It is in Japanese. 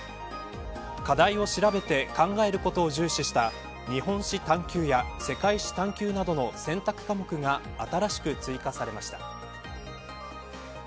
課題を調べて考えることを重視した日本史探究や世界史探究などの選択科目が新しく追加されました。